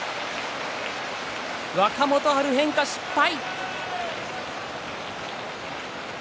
若元春、変化失敗。